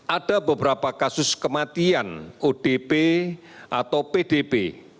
ada beberapa kasus kematian odp atau pdp